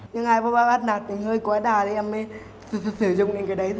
nhưng ai bắt nạt mình hơi quá đà thì em mới sử dụng những cái đấy thôi